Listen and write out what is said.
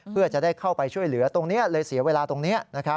เพื่อจะได้เข้าไปช่วยเหลือตรงนี้เลยเสียเวลาตรงนี้